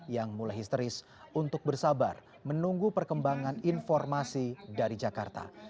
yang mulai histeris untuk bersabar menunggu perkembangan informasi dari jakarta